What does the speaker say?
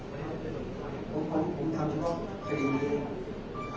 สารตั้งต้นเนี่ยมันน่าจะต้องมาสอบตัวเหล็กทีเนี่ยค่ะ